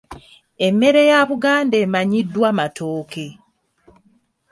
Emmere ya Buganda emanyiddwa matooke.